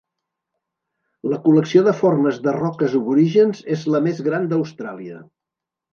La col·lecció de formes de roques aborígens és la més gran d'Austràlia.